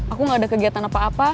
aku gak ada kegiatan apa apa